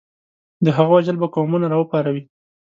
د هغه وژل به قومونه راوپاروي.